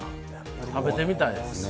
食べてみたいですね。